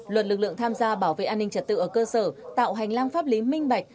luật lực lượng tham gia bảo vệ an ninh trật tự ở cơ sở tạo hành lang pháp lý minh bạch